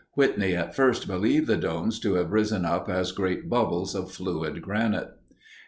Whitney at first believed the domes to have risen up as great bubbles of fluid granite.